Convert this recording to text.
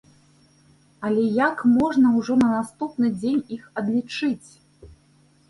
Але як можна ўжо на наступны дзень іх адлічыць?